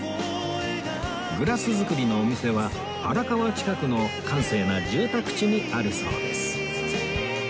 グラス作りのお店は荒川近くの閑静な住宅地にあるそうです